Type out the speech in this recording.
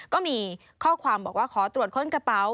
ก็มีข้อความบอกว่าขอตรวจค้นกระเป๋า